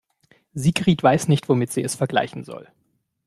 Sigrid weiß nicht, womit sie es vergleichen soll.